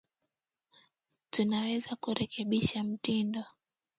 Tunaweza kurekebisha mtindo.